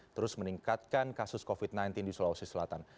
terus meningkatkan kasus covid sembilan belas di sulawesi selatan